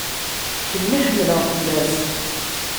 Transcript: Kemm i ḥemmleɣ fell-as.